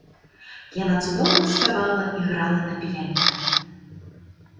Яна цудоўна спявала і грала на піяніна.